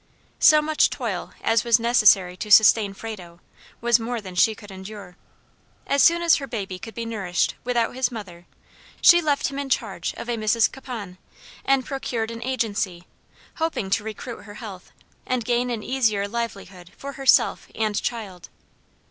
So much toil as was necessary to sustain Frado, was more than she could endure. As soon as her babe could be nourished without his mother, she left him in charge of a Mrs. Capon, and procured an agency, hoping to recruit her health, and gain an easier livelihood for herself and child.